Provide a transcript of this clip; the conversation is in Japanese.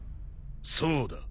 そうだ。